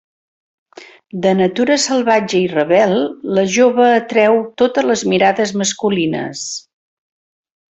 De natura salvatge i rebel, la jove atreu totes les mirades masculines.